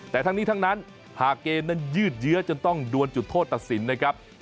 แต่ทั้งนี้ทั้งนั้นหากเกมนั้นยืดเยื้อจนต้องดวนจุดโทษตัดสินนะครับ